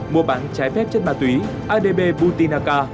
mua bán trái phép chất ma túy adb butinaka